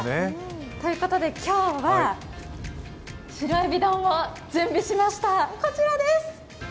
ということで今日はシロエビ丼を準備しました、こちらです。